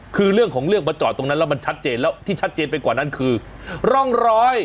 คือเรื่องของเรื่องมาจอดตรงนั้นแล้วมันชัดเจนแล้วที่ชัดเจนไปกว่านั้นคือร่องรอย